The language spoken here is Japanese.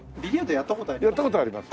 やった事あります。